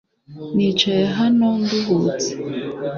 Nicaye hano nduhutse .